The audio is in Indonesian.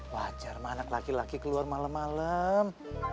wajar mah anak laki laki keluar malem malem